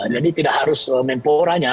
jadi tidak harus menteri pemuda